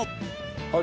あれ？